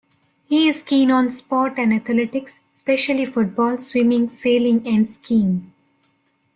He is keen on sport and athletics, especially football, swimming, sailing and skiing.